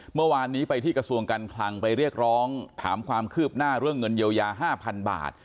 เมื่อวานนี้ไปที่กระทรวงการคลังไปเรียกร้องถามความคืบหน้าเรื่องเงินเยียวยา๕๐๐๐บาท